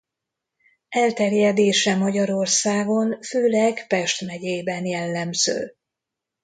Elterjedése Magyarországon főleg Pest megyében jellemző.